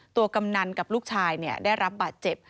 กำนันกับลูกชายได้รับบาดเจ็บ